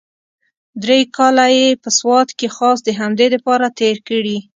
درې کاله يې په سوات کښې خاص د همدې دپاره تېر کړي.